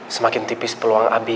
semakin tipis peluang abi